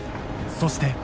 そして